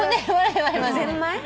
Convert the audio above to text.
ゼンマイ？